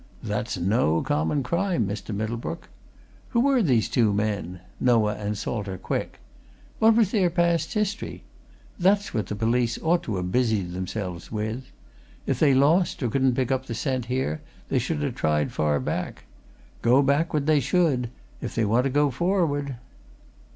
That's no common crime, Mr Middlebrook. Who were these two men Noah and Salter Quick? What was their past history? That's what the police ought to ha' busied themselves with. If they lost or couldn't pick up the scent here, they should ha' tried far back. Go backward they should if they want to go forward."